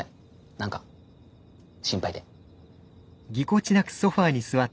何か心配で。